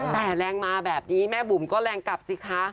แต่แรงมาแบบนี้แม่บุ๋มก็แรงกลับสิคะ